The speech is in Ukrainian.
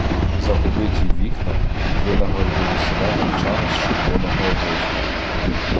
За побиті вікна винагородили селян речами з червоного обозу.